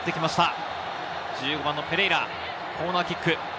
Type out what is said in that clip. １５番のペレイラ、コーナーキック。